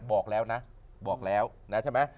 บอกแล้วนะบอกแล้วนะใช่ไหม